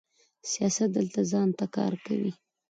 سیاست دلته ځان ته کار کوي.